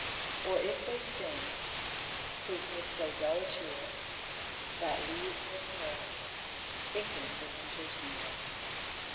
"Or if they sing, 'tis with so dull a cheer, That leaves look pale, thinking the winter's near."